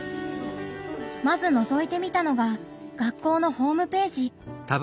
まずのぞいてみたのが学校のホームページ。